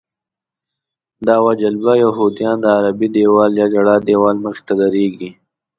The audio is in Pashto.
دعوه جلبه یهودیان د غربي دیوال یا ژړا دیوال مخې ته درېږي.